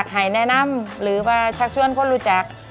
ให้แนะนำหรือถามให้คนที่รู้จัก